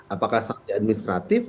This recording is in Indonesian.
apakah sanksi administratif